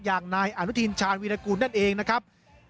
อย่างนายอนุทินชาญวีรกูลนั่นเองนะครับ